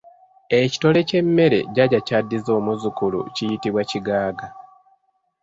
Ekitole ky'emmere jajja ky'addiza omuzzukulu kiyitibwa kigaaga.